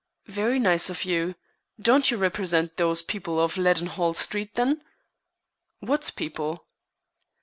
"Very nice of you. Don't you represent those people on Leadenhall Street, then?" "What people?"